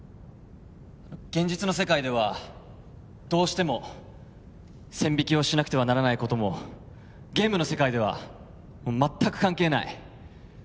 現実の世界ではどうしても線引きをしなくてはならないこともゲームの世界では全く関係ない